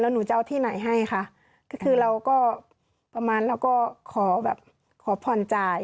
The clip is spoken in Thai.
หนูจะเอาที่ไหนให้ค่ะก็คือเราก็ประมาณเราก็ขอแบบขอผ่อนจ่าย